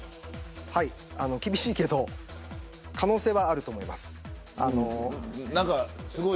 厳しいけど可能性はあると思います。